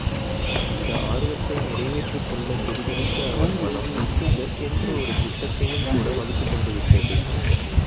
இந்த ஆர்வத்தை நிறைவேற்றிக் கொள்ளத் துடிதுடித்த அவன் மனம், இதற்கென்று ஒரு திட்டத்தையும் கூட வகுத்துக் கொண்டுவிட்டது.